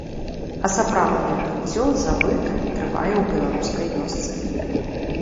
А сапраўднае быццё, забытае, трывае ў беларускай вёсцы.